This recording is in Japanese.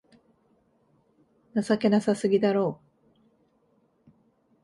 情けなさすぎだろ